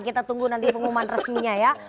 kita tunggu nanti pengumuman resminya ya